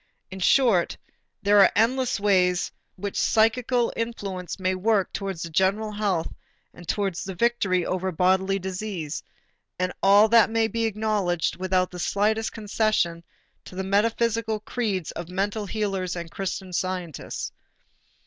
In short, there are endless ways in which psychical influence may work towards the general health and towards the victory over bodily disease; and all that may be acknowledged without the slightest concession to the metaphysical creeds of mental healers and Christian Scientists.